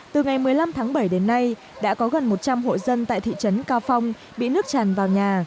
một mươi năm tháng bảy đến nay đã có gần một trăm linh hội dân tại thị trấn cao phong bị nước tràn vào nhà